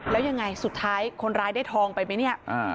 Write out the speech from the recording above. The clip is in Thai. แล้วยังไงสุดท้ายคนร้ายได้ทองไปไหมเนี่ย